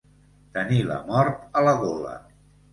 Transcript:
Tenir la mort a la gola.